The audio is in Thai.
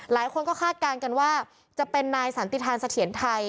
หลายคนก็คาดการณ์กันว่าจะเป็นนายสันติธานเสถียรไทย